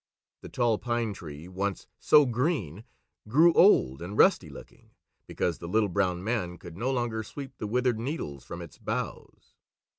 The Tall Pine Tree, once so green, grew old and rusty looking, because the Little Brown Man could no longer sweep the withered needles from its boughs.